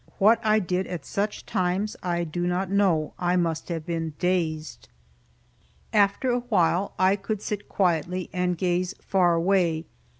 What I did at such times I do not know. I must have been dazed. After a while I could sit quietly and gaze far away.